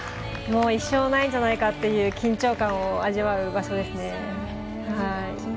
もう一生ないんじゃないかという緊張感を味わう場所ですね。